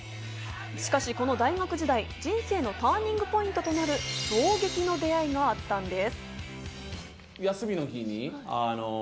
しかし、この大学時代、人生のターニングポイントとなる衝撃の出会いがあったんです。